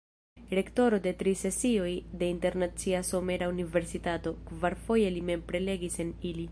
Rektoro de tri sesioj de Internacia Somera Universitato, kvarfoje li mem prelegis en ili.